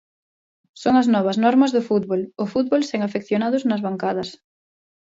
Son as novas normas do fútbol, o fútbol sen afeccionados nas bancadas.